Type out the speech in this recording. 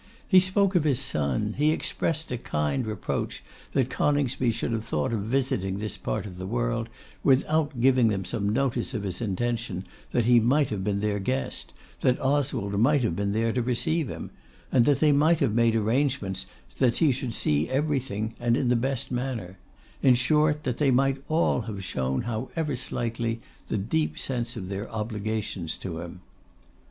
He spoke of his son: he expressed a kind reproach that Coningsby should have thought of visiting this part of the world without giving them some notice of his intention, that he might have been their guest, that Oswald might have been there to receive him, that they might have made arrangements that he should see everything, and in the best manner; in short, that they might all have shown, however slightly, the deep sense of their obligations to him.